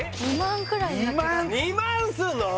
２万２万すんの？